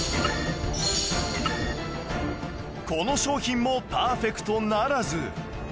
この商品もパーフェクトならず